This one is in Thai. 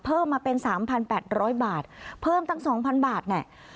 เพิ่มมาเป็นสามพันแปดร้อยบาทเพิ่มตั้งสองพันบาทเนี่ย